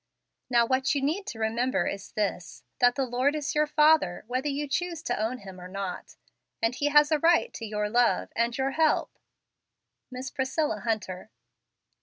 Now what you need to remember, is, that the Lord is your father, whether you choose to own Him or not; and He has a right to your love, and your help. Miss Priscilla Hunter.